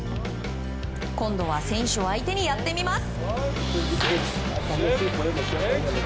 今度は選手を相手にやってみます。